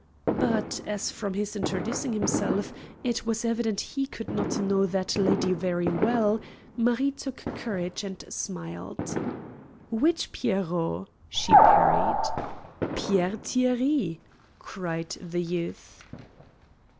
But, as from his introducing himself it was evident he could not know that lady very well, Marie took courage and smiled. "Which 'Pierrot'?" she parried. "Pierre Thierry!" cried the youth.